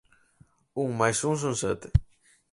Un máis un son sete.